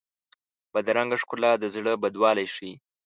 بدرنګه ښکلا د زړه بدوالی ښيي